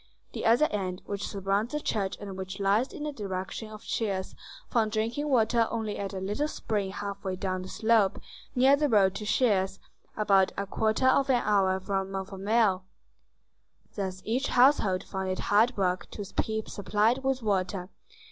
The other end, which surrounds the church and which lies in the direction of Chelles, found drinking water only at a little spring half way down the slope, near the road to Chelles, about a quarter of an hour from Montfermeil. Thus each household found it hard work to keep supplied with water.